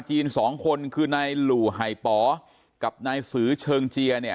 เพื่อนชาวจีน๒คนคือนายหลู่หายป๋อกับนายสือเชิงเจีย